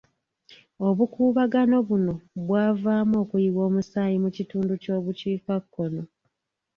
Obukuubagano buno bwavaamu okuyiwa omusaayi mu kitundu ky'obukiikakkono.